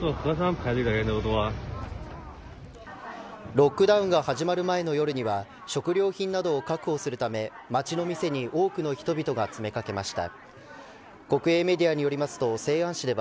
ロックダウンが始まる前の夜には食料品などを確保するため街の店に多くの人々が詰めかけました。